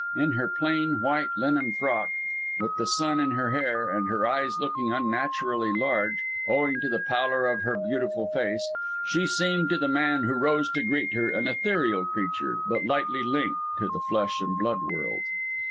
In her plain white linen frock, with the sun in her hair and her eyes looking unnaturally large, owing to the pallor of her beautiful face, she seemed to the man who rose to greet her an ethereal creature, but lightly linked to the flesh and blood world.